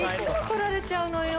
「取られちゃうのよ」。